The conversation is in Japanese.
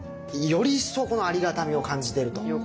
より一層このありがたみを感じてると。